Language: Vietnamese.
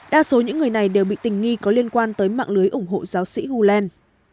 đa số những người này đều bị tình nghi có liên quan tới mạng lưới ủng hộ giáo sĩ huland